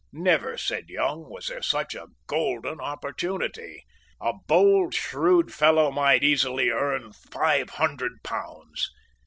Never, said Young, was there such a golden opportunity. A bold, shrewd, fellow might easily earn five hundred pounds.